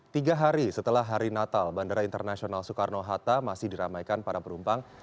tiga hari setelah hari natal bandara internasional soekarno hatta masih diramaikan para penumpang